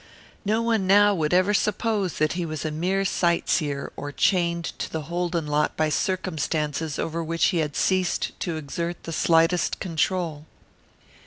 No one now would ever suppose that he was a mere sightseer or chained to the Holden lot by circumstances over which he had ceased to exert the slightest control.